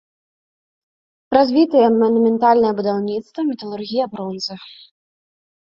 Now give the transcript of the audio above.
Развітыя манументальнае будаўніцтва, металургія бронзы.